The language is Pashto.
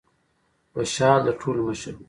خوشال د ټولو مشر و.